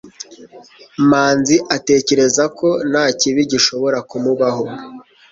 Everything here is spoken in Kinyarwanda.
manzi atekereza ko nta kibi gishobora kumubaho